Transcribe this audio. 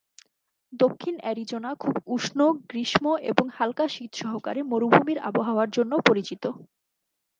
দক্ষিণ অ্যারিজোনা খুব উষ্ণ গ্রীষ্ম এবং হালকা শীত সহকারে মরুভূমির আবহাওয়ার জন্য পরিচিত।